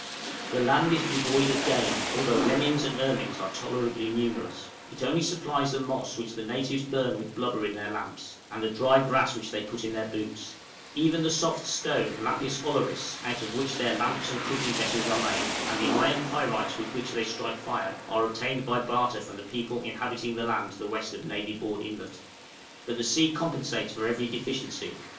] The land is devoid of game, although lemmings and ermines are tolerably numerous; it only supplies the moss which the natives burn with blubber in their lamps, and the dry grass which they put in their boots; even the soft stone, lapis ollaris, out of which their lamps and cooking vessels are made and the iron pyrites with which they strike fire, are obtained by barter from the people inhabiting the land to the west of Navy Board Inlet. But the sea compensates for every deficiency.